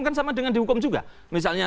kan sama dengan dihukum juga misalnya